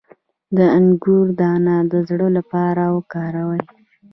د انګور دانه د زړه لپاره وکاروئ